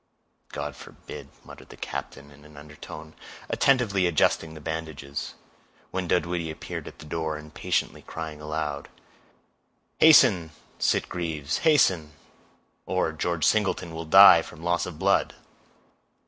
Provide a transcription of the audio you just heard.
"God forbid," muttered the captain, in an undertone, attentively adjusting the bandages, when Dunwoodie appeared at the door, impatiently crying aloud,— "Hasten, Sitgreaves, hasten; or George Singleton will die from loss of blood."